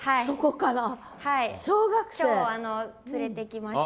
今日連れてきました。